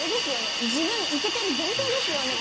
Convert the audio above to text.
自分イケてる前提ですよね。